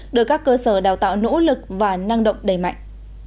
được các cơ sở đào tạo nỗ lực và năng động đầy mạnh